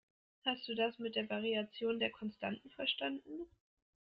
Hast du das mit der Variation der Konstanten verstanden?